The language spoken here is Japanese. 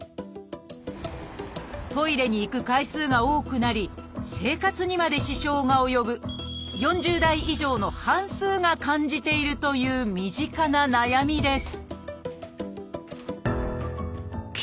トイレに行く回数が多くなり生活にまで支障が及ぶ４０代以上の半数が感じているという身近な悩みです